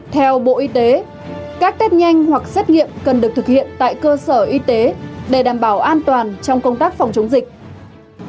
theo bộ y tế các test nhanh hoặc xét nghiệm cần được thực hiện tại cơ sở y tế để đảm bảo an toàn trong công tác phòng chống dịch